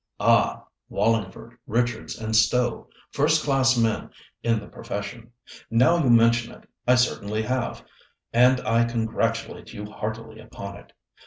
"Ah! Wallingford, Richards and Stowe—first class men in the profession. Now you mention it, I certainly have, and I congratulate you heartily upon it.